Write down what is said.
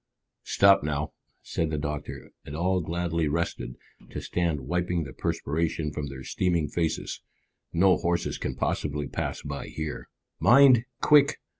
"Stop now," said the doctor, and all gladly rested, to stand wiping the perspiration from their streaming faces. "No horses can possibly pass by here." "Mind! Quick!